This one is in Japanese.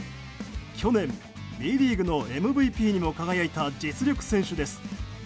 去年ＢリーグのＭＶＰにも輝いた実力選手です。